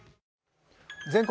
「全国！